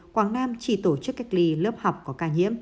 quảng nam chỉ tổ chức cách ly lớp học có ca nhiễm